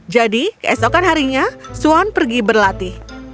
jadi keesokan harinya swan pergi berlatih